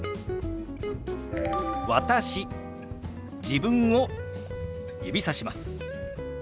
自分を指さします。